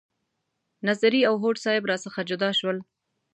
نظري او هوډ صیب را څخه جدا شول.